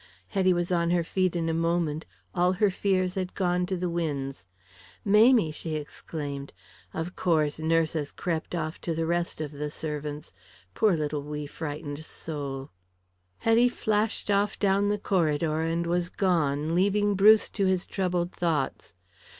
Hetty was on her feet in a moment, all her fears had gone to the winds. "Mamie," she exclaimed. "Of course, nurse has crept off to the rest of the servants. Poor little wee frightened soul." Hetty flashed off down the corridor, and was gone leaving Bruce to his troubled thoughts.